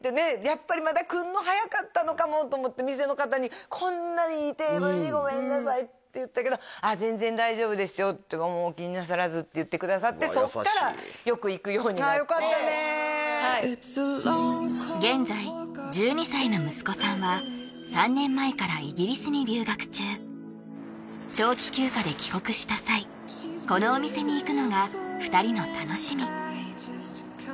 やっぱりまだ来るの早かったのかもと思って店の方に「こんなにいいテーブルにごめんなさい」って言ったけど「ああ全然大丈夫ですよお気になさらず」って言ってくださってそこからよく行くようになってああよかったねはい現在１２歳の息子さんは３年前からイギリスに留学中長期休暇で帰国した際このお店に行くのが２人の楽しみ